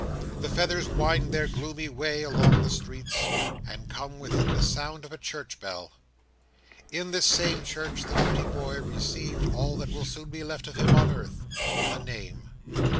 The feathers wind their gloomy way along the streets, and come within the sound of a church bell. In this same church, the pretty boy received all that will soon be left of him on earth—a name.